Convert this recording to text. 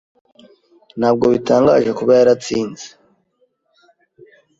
Ntabwo bitangaje kuba yaratsinze.